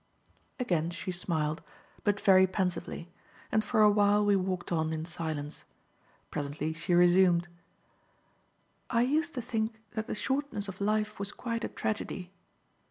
Again she smiled, but very pensively, and for a while we walked on in silence. Presently she resumed. "I used to think that the shortness of life was quite a tragedy.